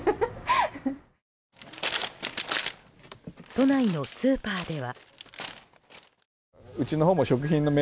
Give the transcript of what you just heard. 都内のスーパーでは。